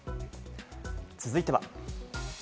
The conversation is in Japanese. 続いては。